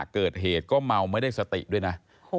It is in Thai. เกิดเหตุก็เมาไม่ได้สติด้วยนะ